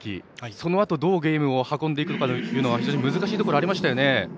そのあとどうゲームを運んでいくのか非常に難しいところがありましたよね。